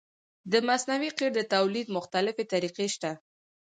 د مصنوعي قیر د تولید مختلفې طریقې شته